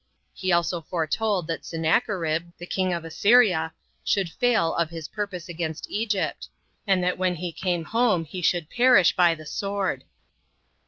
He also foretold that Sennacherib, the king of Assyria, should fail of his purpose against Egypt, and that when he came home he should perish by the sword.